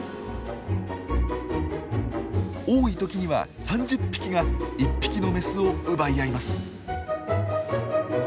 多いときには３０匹が１匹のメスを奪い合います。